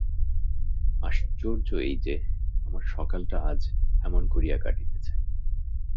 আশ্চর্য এই যে, আমার সকালটা আজ এমন করিয়া কাটিতেছে।